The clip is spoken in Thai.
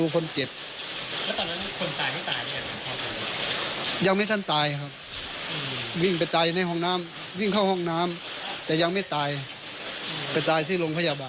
เป็นตายที่ลงพยาบาล